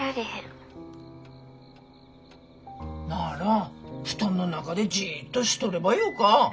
なら布団の中でじっとしとればよか。